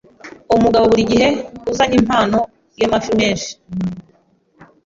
umugabo buri gihe uzanye impano y'amafi menshi